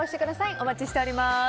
お待ちしております。